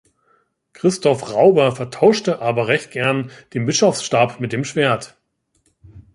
Christoph Rauber vertauschte aber recht gern den Bischofsstab mit dem Schwert.